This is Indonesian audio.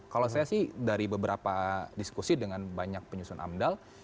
kalau saya sih dari beberapa diskusi dengan banyak penyusun amdal